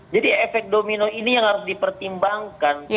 jadi efek domino ini yang harus dipertimbangkan